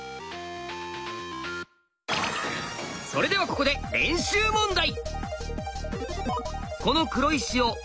それではここで練習問題。